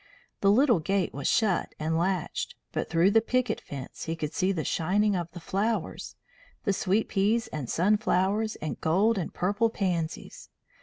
The little gate was shut and latched, but through the picket fence he could see the shining of the flowers, the sweet peas and sunflowers and gold and purple pansies.